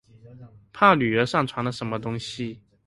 怕女兒上傳了什麼東西